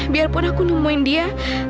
biarpun aku nemuin dia